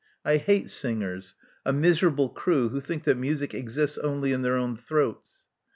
I hate singers, a miserable crew who think that music exists only in their own throats.